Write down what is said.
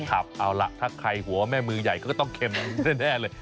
ครับเอาล่ะถ้าใครหัวแม่มือใหญ่ก็ต้องเข็มแน่เลย